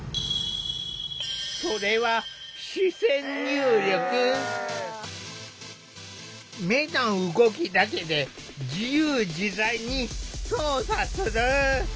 それは目の動きだけで自由自在に操作する。